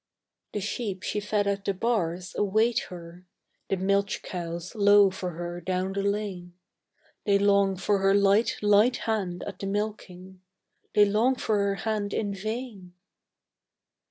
The sheep she fed at the bars await her. The milch cows low for her down the lane. They long for her light, light hand at the milking, They long for her hand in vain.